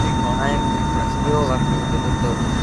ايٚئيٚن پيو وکت گزرتو۔